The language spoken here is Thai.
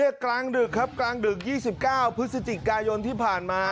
เนี่ยกลางดึกครับกลางดึกยี่สิบเก้าพฤศจิกายนที่ผ่านมา